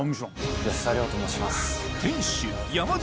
吉沢亮と申します。